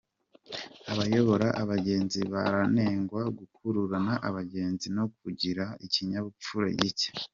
Abayobora abagenzi baranengwa gukurura abagenzi, no kugira ikinyabupfura gicye